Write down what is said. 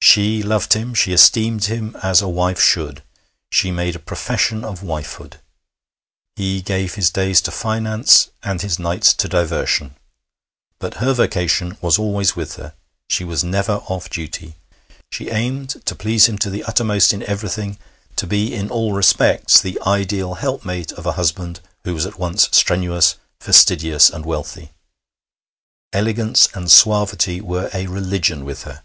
She loved him. She esteemed him as a wife should. She made a profession of wifehood. He gave his days to finance and his nights to diversion; but her vocation was always with her she was never off duty. She aimed to please him to the uttermost in everything, to be in all respects the ideal helpmate of a husband who was at once strenuous, fastidious, and wealthy. Elegance and suavity were a religion with her.